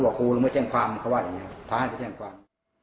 บอกกูลงไปแจ้งความเขาว่าอย่างเงี้ยท้ายให้แจ้งความ